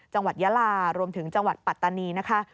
จังหวัดยะลารวมถึงจังหวัดปัตตานีนะคะ